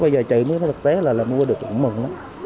bây giờ chị mới thấy thực tế là mua được cũng mừng lắm